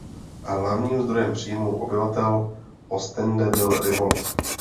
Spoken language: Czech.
Hlavním zdrojem příjmů obyvatel Ostende byl rybolov.